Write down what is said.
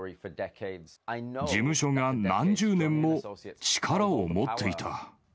事務所が何十年も力を持っていた。